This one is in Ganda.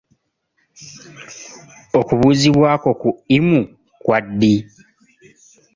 Okubuuzibwa kwo ku imu kwa ddi?